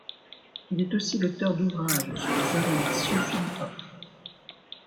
Il est aussi l'auteur d'ouvrages sur les arts martiaux philippins.